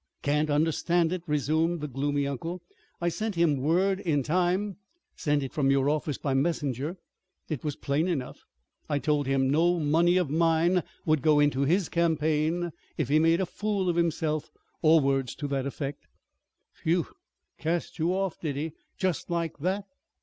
"Can't understand it," resumed the gloomy uncle. "I sent him word in time; sent it from your office by messenger. It was plain enough. I told him no money of mine would go into his campaign if he made a fool of himself or words to that effect." "Phew! Cast you off, did he? Just like that?"